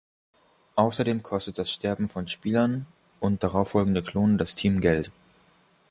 Außerdem kostet das Sterben von Spielern und darauffolgende Klonen das Team Geld.